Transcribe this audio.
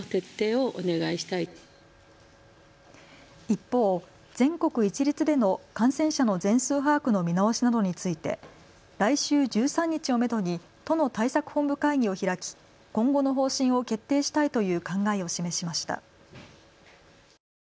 一方、全国一律での感染者の全数把握の見直しなどについて来週１３日をめどに都の対策本部会議を開き今後の方針を決定したいという考えを示しました。